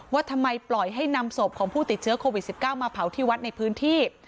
ว่าทำไมปล่อยให้นำศพของผู้ติดเชื้อโควิด๑๙มาเผาที่วัดในพื้นที่